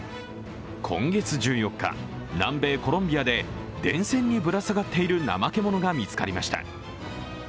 今月１４日、南米コロンビアで電線にぶら下がっているナマケモノが見つかりました。